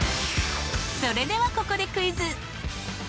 それではここでクイズ！